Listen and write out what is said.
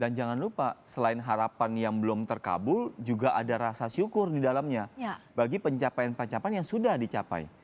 dan jangan lupa selain harapan yang belum terkabul juga ada rasa syukur di dalamnya bagi pencapaian pencapaian yang sudah dicapai